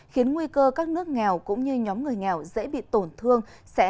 khiến nguy cơ các nước nghèo cũng như nhóm người nghèo dễ bị tổn thương